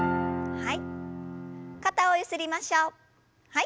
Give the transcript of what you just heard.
はい。